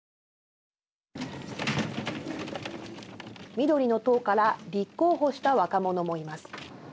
緑の党から立候補した若者もいます。